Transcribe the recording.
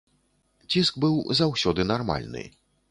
Ціск быў заўсёды нармальны.